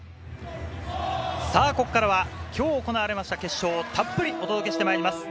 ここからは今日行われました決勝をたっぷりとお届けしてまいります。